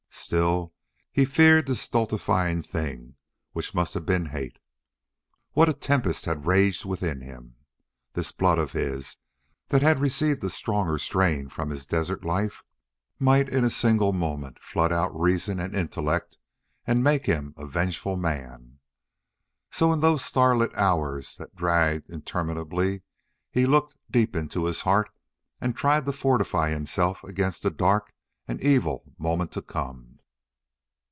Still he feared that stultifying thing which must have been hate. What a tempest had raged within him! This blood of his, that had received a stronger strain from his desert life, might in a single moment flood out reason and intellect and make him a vengeful man. So in those starlit hours that dragged interminably he looked deep into his heart and tried to fortify himself against a dark and evil moment to come.